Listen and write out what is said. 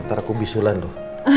ntar aku bisulan tuh